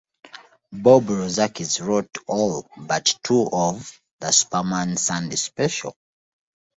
Bob Rozakis wrote all but two of "The Superman Sunday Special".